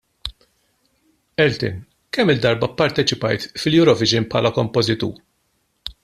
Elton, kemm-il darba pparteċipajt fil-Eurovision bħala kompożitur?